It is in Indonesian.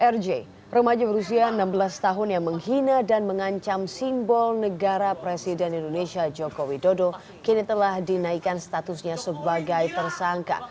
rj remaja berusia enam belas tahun yang menghina dan mengancam simbol negara presiden indonesia joko widodo kini telah dinaikkan statusnya sebagai tersangka